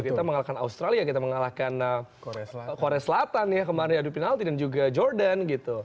kita mengalahkan australia kita mengalahkan korea selatan ya kemarin adu penalti dan juga jordan gitu